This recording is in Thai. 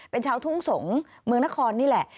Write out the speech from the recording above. เป็นชาวทุ่งสงศ์เมืองนครนี่แหละ